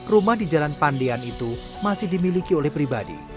rumah di jalan pandian itu masih dimiliki oleh pribadi